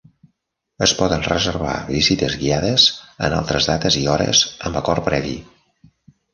Es poden reservar visites guiades, en altres dates i hores, amb acord previ.